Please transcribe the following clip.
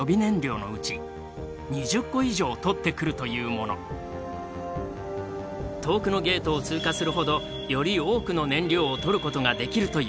そのミッションとは遠くのゲートを通過するほどより多くの燃料を取ることができるという設定だ。